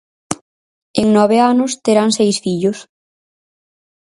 En nove anos terán seis fillos.